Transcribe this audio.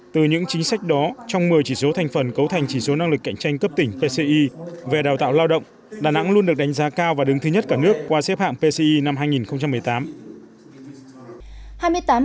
từ những chính sách đó trong một mươi chỉ số thành phần cấu thành chỉ số năng lực cạnh tranh cấp tỉnh pci về đào tạo lao động đà nẵng luôn được đánh giá cao và đứng thứ nhất cả nước qua xếp hạng pci năm hai nghìn một mươi tám